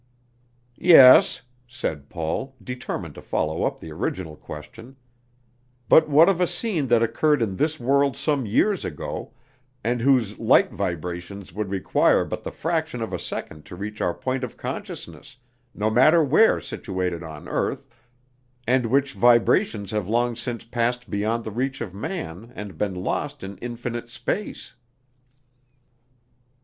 "Yes," said Paul, determined to follow up the original question, "but what of a scene that occurred in this world some years ago, and whose light vibrations would require but the fraction of a second to reach our point of consciousness no matter where situated on earth and which vibrations have long since passed beyond the reach of man, and been lost in infinite space?"